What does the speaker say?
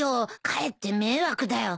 かえって迷惑だよ。